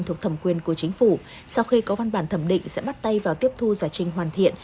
thuộc thẩm quyền của chính phủ sau khi có văn bản thẩm định sẽ bắt tay vào tiếp thu giải trình hoàn thiện